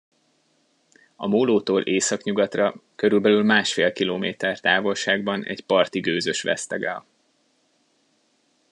A mólótól északnyugatra, körülbelül másfél kilométer távolságban egy parti gőzös vesztegel.